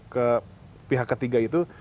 ke pihak ketiga itu